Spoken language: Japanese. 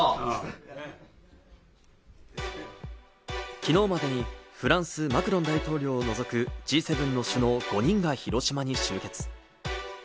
昨日までにフランスのマクロン大統領を除くＧ７の首脳５人が広島に集結。